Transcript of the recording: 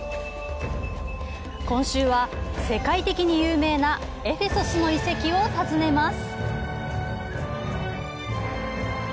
今週は、世界的に有名なエフェソスの遺跡を訪ねます。